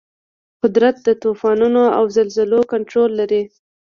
قدرت د طوفانونو او زلزلو کنټرول لري.